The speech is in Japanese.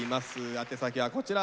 宛先はこちら。